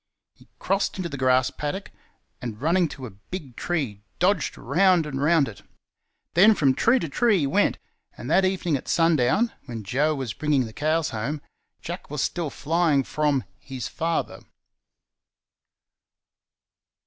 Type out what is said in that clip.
He crossed into the grass paddock, and running to a big tree dodged round and round it. Then from tree to tree he went, and that evening at sundown, when Joe was bringing the cows home, Jack was still flying from "his father".